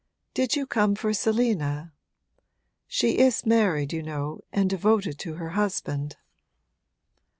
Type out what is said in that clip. Did you come for Selina? She is married, you know, and devoted to her husband.'